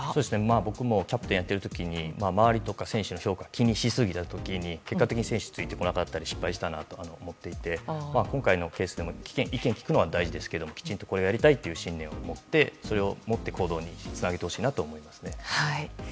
僕もキャプテンをやっている時に周りとか選手の評価を気にしすぎた時に結果的に選手がついてこなくて失敗したなと思ったことがありましたが今回のケースでも意見を聞くのは大事ですがきちんとやりたいという信念をもって行動につなげてほしいと思います。